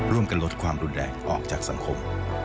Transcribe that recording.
ร่วมกันลดความรุนแรงออกจากสังคม